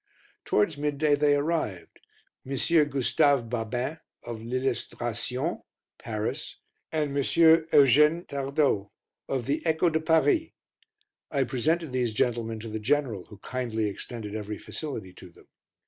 Towards midday they arrived M. Gustave Babin, of L'Illustration, Paris and M. Eugène Tardeau, of the Echo de Paris. I presented these gentlemen to the General, who kindly extended every facility to them.